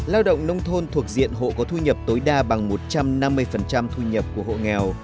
lao động nông thôn thuộc diện hộ có thu nhập tối đa bằng một trăm năm mươi thu nhập của hộ nghèo